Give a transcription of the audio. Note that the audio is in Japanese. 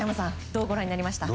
どうご覧になりました？